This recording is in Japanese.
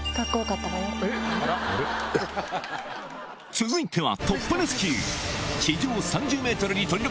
続いては。